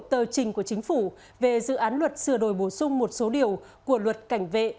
tờ trình của chính phủ về dự án luật sửa đổi bổ sung một số điều của luật cảnh vệ